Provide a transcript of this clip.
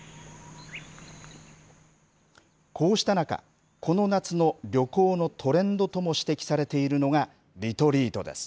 こうした中、この夏の旅行のトレンドとも指摘されているのがリトリートです。